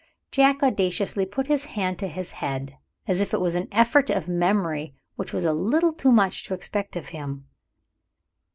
Jack audaciously put his hand to his head, as if this was an effort of memory which was a little too much to expect of him.